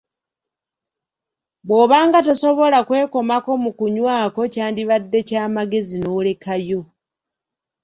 Bw'obanga tosobola kwekomako mu kunywakwo kyandibadde kya magezi n'olekayo.